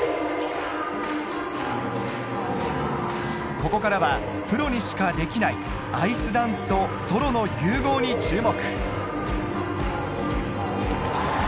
ここからはプロにしかできないアイスダンスとソロの融合に注目